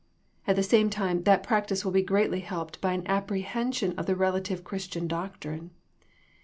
At the same time that practice will be greatly helped by an apprehen sion of the relative Christian doctrine.